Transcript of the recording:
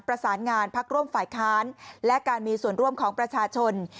ประสานงานพักร่วมฝ่ายค้านและการมีส่วนร่วมของประชาชน